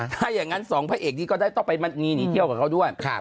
ถ้าอย่างนั้นสองพระเอกนี้ก็ได้ต้องไปหนีเที่ยวกับเขาด้วย